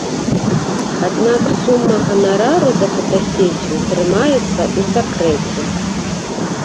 Аднак сума ганарару за фотасесію трымаецца ў сакрэце.